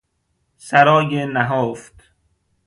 سرای نهفت